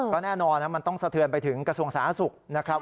ก็แน่นอนมันต้องสะเทือนไปถึงกระทรวงสาธารณสุขนะครับ